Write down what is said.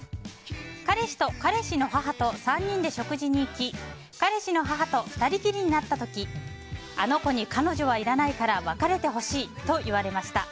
彼氏と彼氏の母と３人で食事に行き彼氏の母と２人きりになった時あの子に彼女はいらないから別れてほしいと言われました。